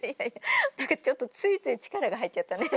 何かちょっとついつい力が入っちゃったね。